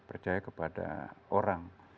percaya kepada orang